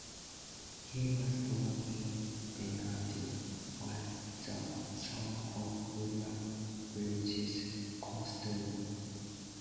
He was born in Benarty, Fife, the son of William Briggs Constable.